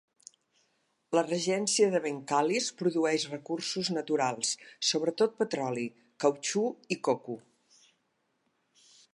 La regència de Bengkalis produeix recursos naturals, sobretot petroli, cautxú i coco.